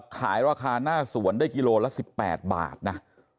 ขายราคาหน้าสวนได้กิโลละ๑๘บาทนะ